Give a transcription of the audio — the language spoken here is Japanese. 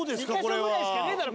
２か所ぐらいしかねぇだろ。